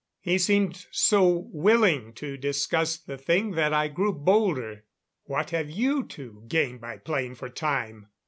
He seemed so willing to discuss the thing that I grew bolder. "What have you to gain by playing for time?"